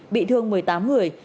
bị thương một mươi tám người